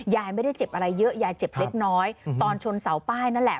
ยายไม่ได้เจ็บอะไรเยอะยายเจ็บเล็กน้อยตอนชนเสาป้ายนั่นแหละ